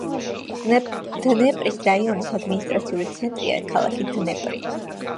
დნეპრის რაიონის ადმინისტრაციული ცენტრია ქალაქი დნეპრი.